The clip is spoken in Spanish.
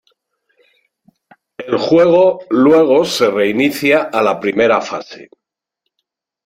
El juego luego se reinicia a la primera fase.